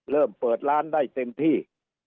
เริ่มเปิดร้านได้เต็มที่